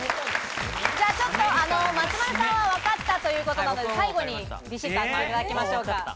ちょっと松丸さんは、わかったということなので、最後にびしっと当てていただきましょうか。